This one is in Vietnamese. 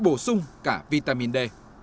bổ sung cả vitamin d